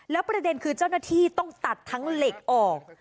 แล้วประเด็นคือเจ้าหน้าที่ต้องตัดทั้งเหล็กออก